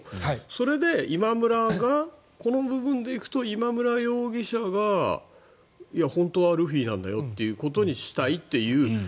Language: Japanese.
それで今村がこの部分で行くと今村容疑者が本当はルフィなんだよってことにしたいという。